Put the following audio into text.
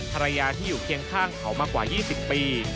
ภรรยาที่อยู่เคียงข้างเขามากว่า๒๐ปี